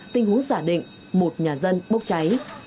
tình huống giả định một nhà dân bốc cháy